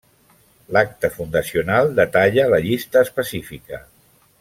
L'acta fundacional detalla la llista específica.